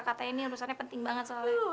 katanya ini urusannya penting banget soalnya